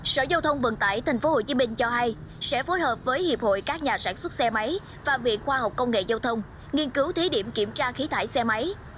sở giao thông vận tải tp hcm cho hay sẽ phối hợp với hiệp hội các nhà sản xuất xe máy và viện khoa học công nghệ giao thông nghiên cứu thí điểm kiểm tra khí thải xe máy